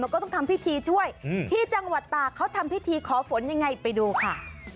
แล้วก็ต้องทำพิธีช่วยที่จังหวัดตากเขาทำพิธีขอฝนยังไงไปดูค่ะ